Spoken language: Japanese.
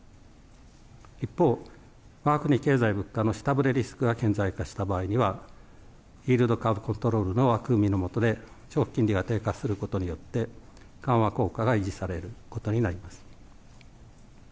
一方、わが国経済・物価の下振れリスクが顕在化した場合には、イールドカーブ・コントロールの枠組みの下で、長期金利が低下することによって、緩和効果が維持されることになります。